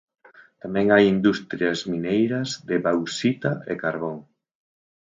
Tamén hai industrias mineiras de bauxita e carbón.